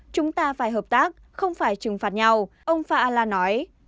chúng ta phải hợp tác không phải trừng phạt nhau ông pha ala nói